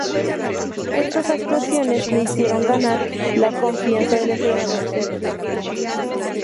Estas actuaciones le hicieron ganar la confianza del entrenador Sergio Hernández.